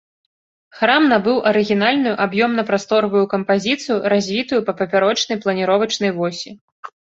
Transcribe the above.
Храм набыў арыгінальную аб'ёмна-прасторавую кампазіцыю, развітую па папярочнай планіровачнай восі.